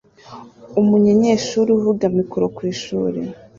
umunyenyeshuri uvuga mikoro kwishuri